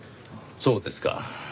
そうですか。